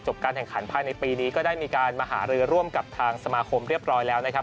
การแข่งขันภายในปีนี้ก็ได้มีการมหารือร่วมกับทางสมาคมเรียบร้อยแล้วนะครับ